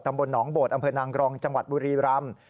บนหนองโบดอำเภอนางกรองจังหวัดบุรีรำ